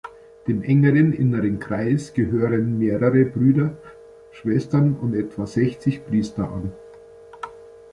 Dem engeren inneren Kreis gehören mehrere Brüder, Schwestern und etwa sechzig Priester an.